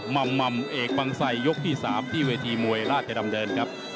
ม่ำเอกบังไสยกที่๓ที่เวทีมวยราชดำเนินครับ